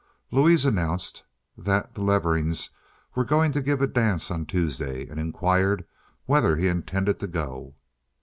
Louise announced that the Leverings were going to give a dance on Tuesday, and inquired whether he intended to go.